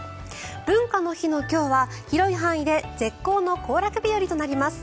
文化の日の今日は広い範囲で絶好の行楽日和となります。